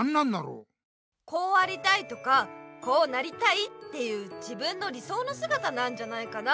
「こうありたい」とか「こうなりたい」っていう自分の理そうのすがたなんじゃないかな。